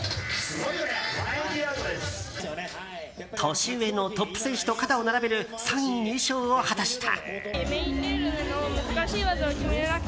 年上のトップ選手と肩を並べる３位入賞を果たした。